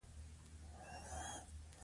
وینې دښته ښکلې کولې.